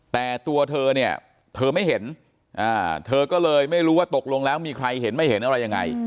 แต่ตัวเธอเนี่ยเธอไม่เห็นเธอก็เลยไม่รู้ว่าตกลงแล้วมีใครเห็นไม่เห็นอะไรยังไง